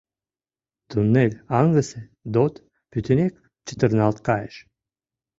Туннель аҥысе ДОТ пӱтынек чытырналт кайыш.